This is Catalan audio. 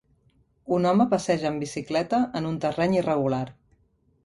Un home passeja en bicicleta en un terreny irregular.